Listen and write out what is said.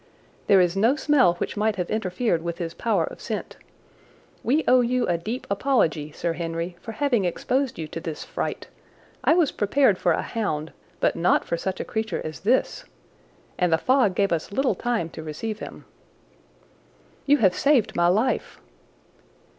"There is no smell which might have interfered with his power of scent. We owe you a deep apology, Sir Henry, for having exposed you to this fright. I was prepared for a hound, but not for such a creature as this. And the fog gave us little time to receive him." "You have saved my life."